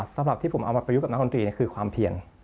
สำหรับที่ผมเอามาประยุกต์กับนักดนตรีคือความเพียร